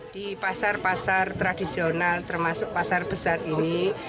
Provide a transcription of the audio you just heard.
di pasar pasar tradisional termasuk pasar besar ini